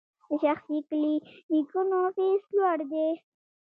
د شخصي کلینیکونو فیس لوړ دی؟